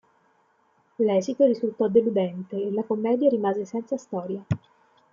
L'esito risultò deludente e la commedia rimase senza storia.